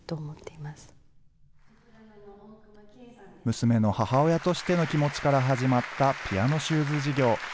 娘の母親としての気持ちから始まったピアノシューズ事業。